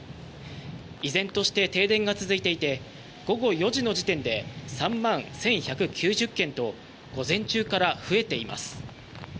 依然として停電が続いていて午後４時の時点で３万１１９０軒と午前中から増えています。